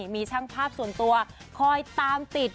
มีช่างภาพส่วนตัวคอยตามติด